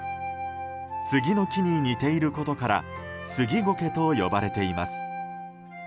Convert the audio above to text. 杉の木に似ていることからスギゴケと呼ばれています。